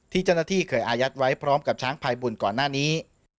ที่เจ้าหน้าที่เคยอายัดไว้พร้อมกับช้างพายบุญก่อนหน้านี้